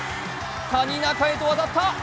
谷中へと渡った。